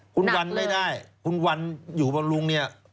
หนักเลยคุณวันไม่ได้คุณวันอยู่บนลุงนี่